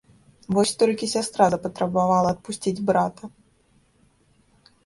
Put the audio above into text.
Вось толькі сястра запатрабавала адпусціць брата.